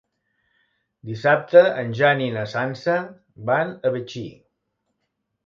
Dissabte en Jan i na Sança van a Betxí.